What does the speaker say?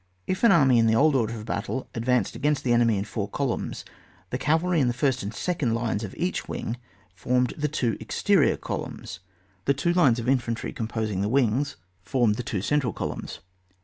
If an army in the old order of battle advanced against the enemy in four columns, the cavalry in the first and second lines on each wing formed the two exterior columns, the two lines of infantry composing the wings formed the 84 ON WAR. [book y. two central columns.